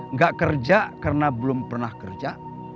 nggak kerja karena belum pernah kerja